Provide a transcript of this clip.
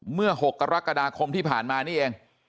เมื่อ๖กรกฎาคมที่ผ่านมานี่เอง